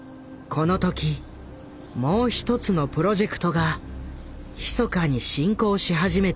この時もう一つのプロジェクトがひそかに進行し始めていた。